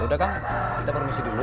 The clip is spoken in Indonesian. udah kang kita permisi dulu